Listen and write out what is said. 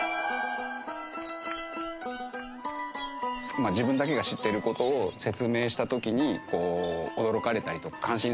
まあ自分だけが知っている事を説明した時にこう驚かれたりとか感心されたりする事ってある。